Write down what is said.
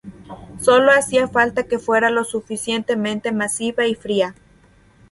Solo hacía falta que fuera lo suficientemente masiva y fría.